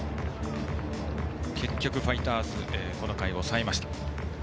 結局ファイターズこの回、抑えました。